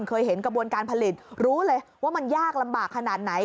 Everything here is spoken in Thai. เคยเห็นกระบวนการผลิตรู้เลยว่ามันยากลำบากขนาดไหน